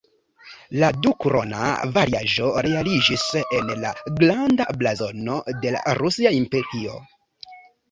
La "dukrona"-variaĵo realiĝis en la "Granda blazono de la Rusia Imperio".